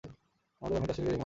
আমাদের অনেক দার্শনিকেরও এই মত।